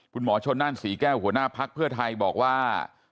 คุณหมอชนนั่นศรีแก้วหัวหน้าภักดิ์เพื่อไทยบอกว่า